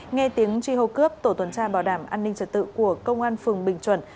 nghe tiếng truy hô cướp tổ tuần tra bảo đảm an ninh trật tự của công an phường bình chuẩn